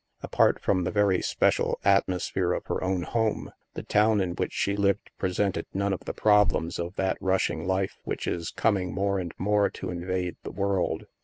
Apart from the very special atmosphere of her own home, the town in which she Uved presented none of the problems of that rushing life which is coming more and more to invade the world.